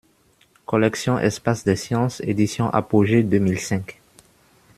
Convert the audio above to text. Collection Espace des sciences, Éditions Apogée, deux mille cinq.